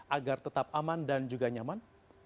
agar tetap aman dan juga nyaman